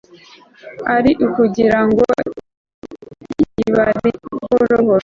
ari ukugira ngo ibarimbure buhoro buhoro